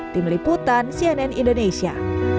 tim liputan cnn indonesia